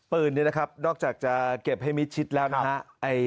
ปืนนี้นะครับนอกจากจะเก็บให้มิดชิดแล้วนะฮะ